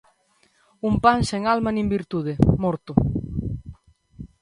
Un pan sen alma nin virtude, morto